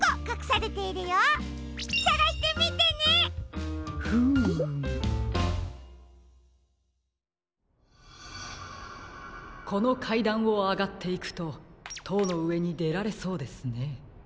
このかいだんをあがっていくととうのうえにでられそうですね。